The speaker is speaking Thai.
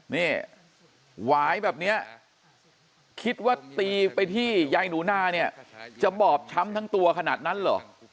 นี่หวายแบบนี้คิดว่าตีไปที่ยายหนูนาเนี่ยจะบอบช้ำทั้งตัวขนาดนั้นเหรอ